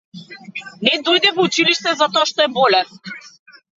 Не дојде во училиште затоа што е болен.